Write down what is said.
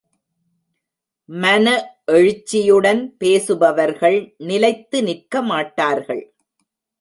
மன எழுச்சியுடன் பேசுபவர்கள் நிலைத்து நிற்கமாட்டார்கள்.